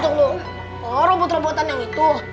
oh robot robotan yang itu